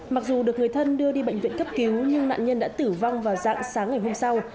mặc dù được người thân đưa đi bệnh viện cấp cứu nhưng nạn nhân đã tử vong vào dạng sáng ngày hôm sau